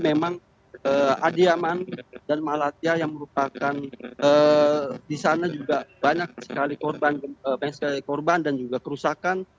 memang adiaman dan malatya yang merupakan di sana juga banyak sekali korban dan juga kerusakan